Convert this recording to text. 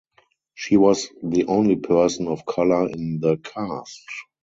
She was the only person of color in the cast.